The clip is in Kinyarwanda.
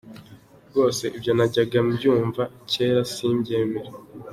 Rwose, ibyo najyaga mbyumva kera, simbyemere.